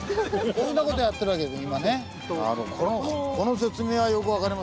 こんな事やってるわけです今ね。